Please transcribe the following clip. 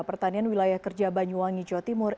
pertanian wilayah kerja banyuwangi jawa timur